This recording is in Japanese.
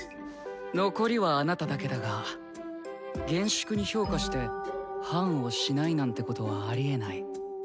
残りはあなただけだが厳粛に評価して判をしないなんてことはありえないだろ？